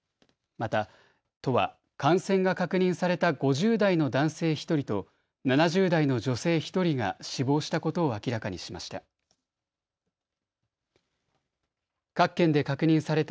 また、都は感染が確認された５０代の男性１人と７０代の女性１人が死亡したことを明らかにしました。